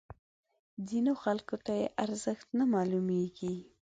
ځینو خلکو ته یې ارزښت نه معلومیږي.